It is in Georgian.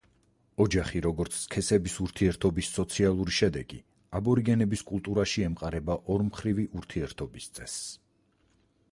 ოჯახი, როგორც სქესების ურთიერთობის სოციალური შედეგი, აბორიგენების კულტურაში ემყარება ორმხრივი ურთიერთობის წესს.